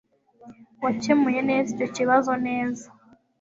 Wakemuye neza icyo kibazo neza.